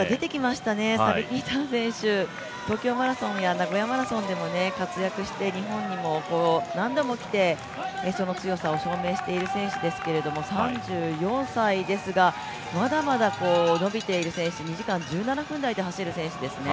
サルピーター選手、東京マラソンや名古屋マラソンでも活躍して、日本にも何度も来てその強さを証明している選手ですけれども、３４歳ですが、まだまだ伸びている選手、２時間１７分台で走る選手ですね。